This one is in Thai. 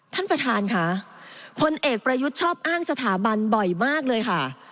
ท่านประธานค่ะพลเอกประยุทธ์ชอบอ้างสถาบันบ่อยมากเลยค่ะ